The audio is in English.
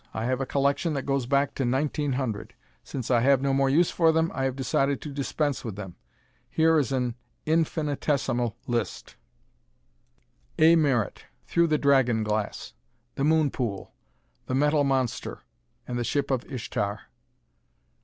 I have a collection that goes back to 1900! Since I have no more use for them, I have decided to dispense with them. Here is an infinitesimal list: A. Merritt: "Thru the Dragon Glass," "The Moon Pool," "The Metal Monster" and "The Ship of Ishtar."